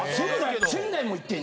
仙台も行ってんの？